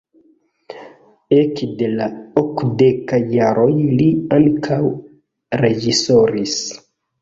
Ekde la okdekaj jaroj li ankaŭ reĝisoris.